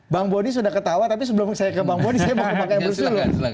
bang bonny sudah ketawa tapi sebelum saya ke bang bonny saya mau ke pak embrus dulu